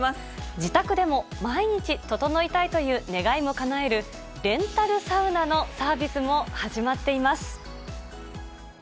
自宅でも毎日ととのいたいという願いもかなえる、レンタルサウナのサービスも始まっています。